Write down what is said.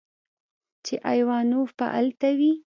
چې ايوانوف به الته وي.